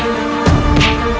perasaan semua saping kayak gini